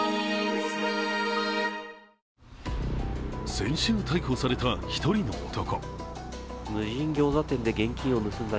先週、逮捕された、一人の男。